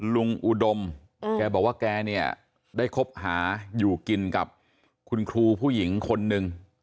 อุดมแกบอกว่าแกเนี่ยได้คบหาอยู่กินกับคุณครูผู้หญิงคนนึง